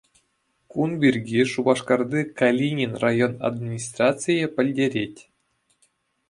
Кун пирки Шупашкарти Калинин район администрацийӗ пӗлтерет.